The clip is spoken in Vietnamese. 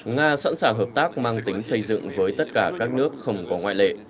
nga sẵn sàng hợp tác mang tính xây dựng với tất cả các nước không có ngoại lệ